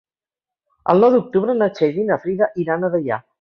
El nou d'octubre na Txell i na Frida iran a Deià.